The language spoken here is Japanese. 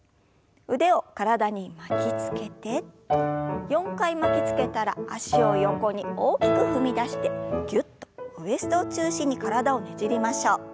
腕を体に巻きつけて４回巻きつけたら脚を横に大きく踏み出してぎゅっとウエストを中心に体をねじりましょう。